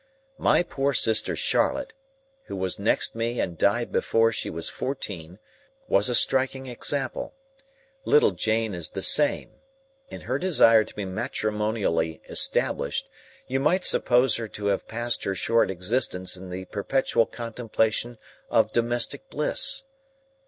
My poor sister Charlotte, who was next me and died before she was fourteen, was a striking example. Little Jane is the same. In her desire to be matrimonially established, you might suppose her to have passed her short existence in the perpetual contemplation of domestic bliss.